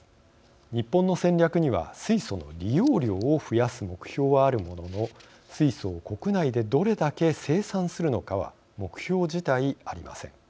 日本の戦略には水素の利用量を増やす目標はあるものの水素を国内でどれだけ生産するのかは目標自体ありません。